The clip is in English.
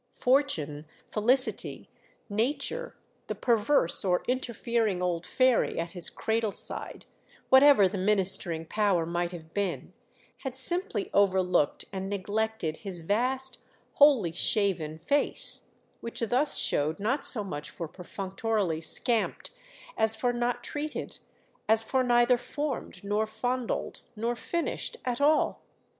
Fortune, felicity, nature, the perverse or interfering old fairy at his cradle side—whatever the ministering power might have been—had simply overlooked and neglected his vast wholly shaven face, which thus showed not so much for perfunctorily scamped as for not treated, as for neither formed nor fondled nor finished, at all.